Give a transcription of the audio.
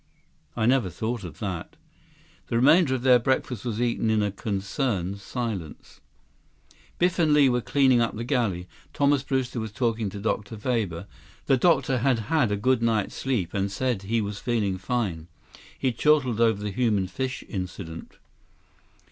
"I never thought of that." The remainder of their breakfast was eaten in a concerned silence. Biff and Li were cleaning up the galley. Thomas Brewster was talking to Dr. Weber. The doctor had had a good night's sleep and said he was feeling fine. He chortled over the human fish incident.